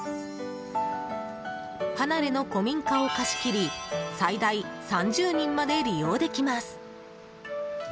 離れの古民家を貸し切り最大３０人まで利用できます。